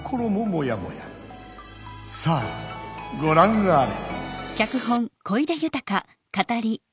さあごらんあれ！